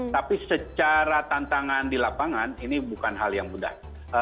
tapi secara tantangan di lapangan ini bukan hal yang mudah